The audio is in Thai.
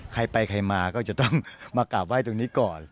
ใครไปใครมาก็จะต้องมากราบไห้ตรงนี้ก่อน